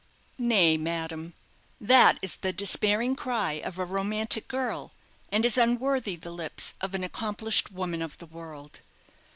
"Nay, madame, that is the despairing cry of a romantic girl, and is unworthy the lips of an accomplished woman of the world.